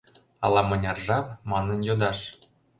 «Ала мыняр жап, манын йодаш?